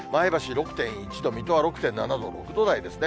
６．１度、水戸は６．７度、６度台ですね。